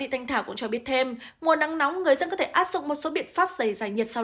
thị thanh thảo cho biết thêm mùa nắng nóng người dân có thể áp dụng một số biện pháp giải nhiệt sau